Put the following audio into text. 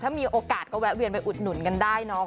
ถ้ามีโอกาสก็แวะเวียนไปอุดหนุนกันได้เนาะ